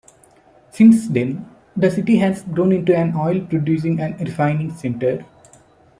Since then, the city has grown into an oil-producing and refining center.